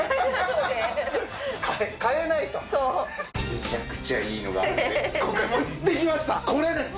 むちゃくちゃいいのがあるんで今回持ってきましたこれです！